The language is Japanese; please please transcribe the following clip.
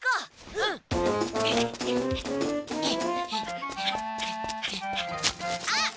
うん！あっ！？